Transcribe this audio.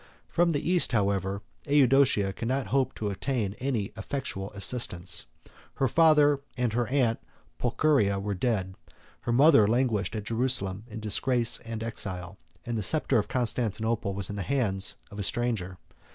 From the East, however, Eudoxia could not hope to obtain any effectual assistance; her father and her aunt Pulcheria were dead; her mother languished at Jerusalem in disgrace and exile; and the sceptre of Constantinople was in the hands of a stranger.